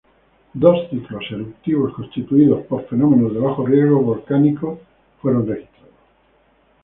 Dos ciclos eruptivos constituidos por fenómenos de bajo riesgo volcánico fueron registrados.